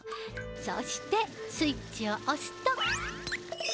そしてスイッチをおすと。